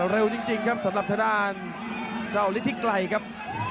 เร็วจริงครับสำหรับทางด้านเจ้าฤทธิไกรครับ